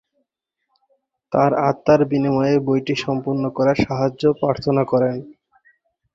তার আত্মার বিনিময়ে বইটি সম্পূর্ণ করার সাহায্য প্রার্থনা করেন।